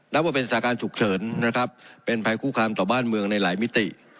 นับว่าเป็นสถานการณ์ฉุกเฉินนะครับเป็นภัยคู่คามต่อบ้านเมืองในหลายมิติ